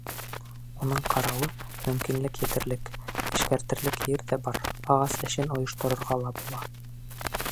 Уның ҡарауы, мөмкинлек етерлек: эшкәртерлек ер ҙә бар, ағас эшен ойошторорға була.